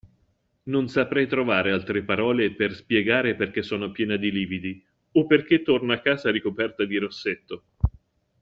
Non saprei trovare altre parole per spiegare perché sono piena di lividi, o perché torno a casa ricoperta di rossetto.